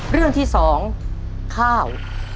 เรื่องที่๒ข้าว